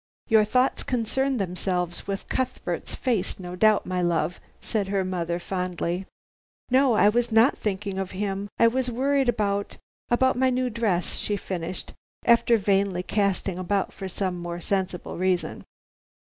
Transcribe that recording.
"Your thoughts concerned themselves with Cuthbert's face, no doubt, my love," said her mother fondly. "No, I was not thinking of him. I was worried about about my new dress," she finished, after vainly casting about for some more sensible reason.